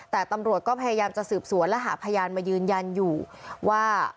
แต่ตำรวจก็พยายามจะสืบสวนและหาพยานมายืนยันอยู่ว่า